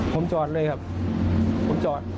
ผมจอดเลยครับผมจอด